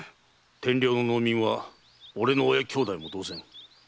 天領の農民は俺の親兄弟も同然。